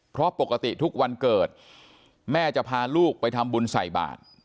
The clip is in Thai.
เพราะปกติทุกวันเกิดแม่จะพาลูกไปทำบุญใส่บาท